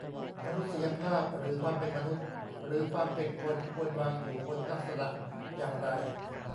"มนุษยภาพ หรือความเป็นมนุษย์ หรือความเป็นคน ควรวางอยู่บนลักษณะอย่างไร"